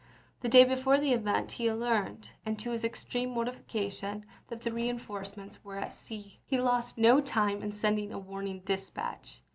The day before saysW •> Speeches, that event he first learned, to his extreme mortifi p 19 cation, that the reinforcements were at sea. He lost no time in sending a warning dispatch.